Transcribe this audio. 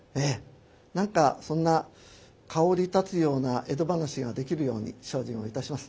何かそんな香り立つような江戸噺ができるように精進をいたします。